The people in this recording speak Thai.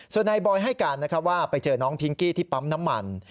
ส่วนนายบอยให้การว่าไปเจอน้องพิงกี้ที่ปั๊มน้ำมัน